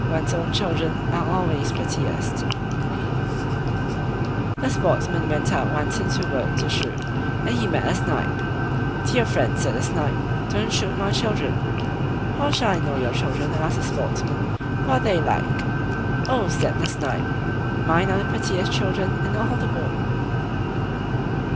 ONE'S OWN CHILDREN ARE ALWAYS PRETTIEST A sportsman went out once into a wood to shoot, and he met a Snipe. "Dear friend", said the Snipe, "don't shoot my children!" "How shall I know your children?" asked the Sportsman; "what are they like?" "Oh!" said the Snipe, "mine are the prettiest children in all the wood."